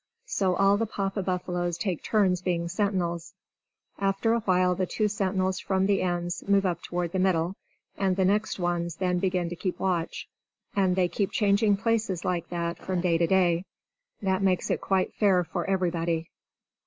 So all the Papa buffaloes take turns being sentinels. After a while the two sentinels from the ends move up toward the middle, and the next ones then begin to keep watch. And they keep changing places like that from day to day. That makes it quite fair for everybody.